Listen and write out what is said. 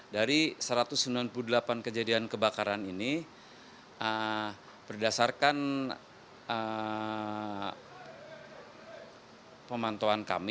dari satu ratus sembilan puluh delapan kejadian kebakaran ini berdasarkan pemantauan kami